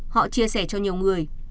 họ chia sẻ cho nhiều người